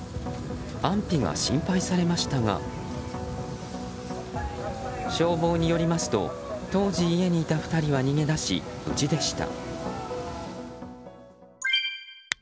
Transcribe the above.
安否が心配されましたが消防によりますと当時、家にいた２人は逃げ出し無事でした。